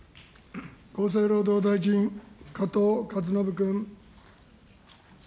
厚生労働大臣、加藤勝信君。